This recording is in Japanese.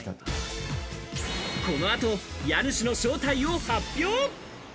この後、家主の正体を発表。